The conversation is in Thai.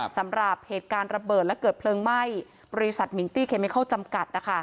สำหรับเหตุการณ์ระเบิดและเกิดเพลิงไหม้บริษัทมิงตี้เคมิเคิลจำกัด